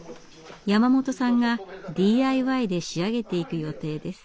山本さんがＤＩＹで仕上げていく予定です。